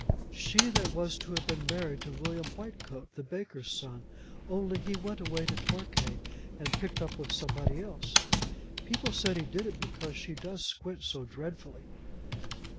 "She that was to have been married to William Whitecoat, the baker's son, only he went away to Torquay and picked up with somebody else. People said he did it because she does squint so dreadfully."